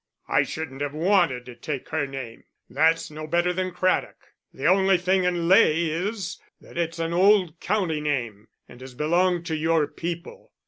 "I shouldn't have wanted to take her name. That's no better than Craddock. The only thing in Ley is that it's an old county name, and has belonged to your people."